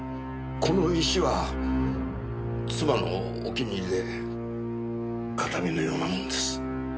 この石は妻のお気に入りで形見のようなもんです。